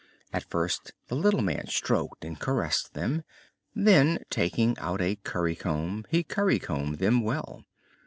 At first the little man stroked and caressed them; then, taking out a currycomb, he currycombed them well.